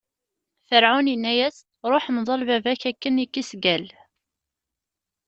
Ferɛun inna-as: Ṛuḥ, mḍel baba-k akken i k-isgall.